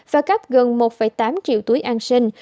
và cấp gần một tám triệu túi an sinh